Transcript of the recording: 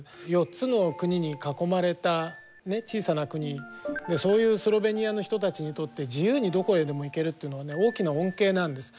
４つの国に囲まれたね小さな国でそういうスロベニアの人たちにとって自由にどこへでも行けるというのはね大きな恩恵なんです。